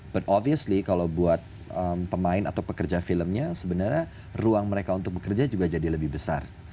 but obviously kalau buat pemain atau pekerja filmnya sebenarnya ruang mereka untuk bekerja juga jadi lebih besar